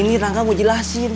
udah beruan jelasin